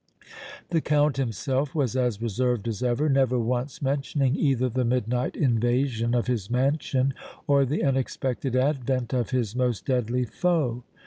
The Count himself was as reserved as ever, never once mentioning either the midnight invasion of his mansion or the unexpected advent of his most deadly foe.